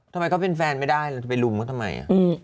ทำไมเขาเป็นแฟนไม่ได้ไปรุมก็ทำไม